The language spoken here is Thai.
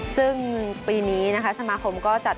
ซึ่งปีนี้นะคะสมาคมก็จัด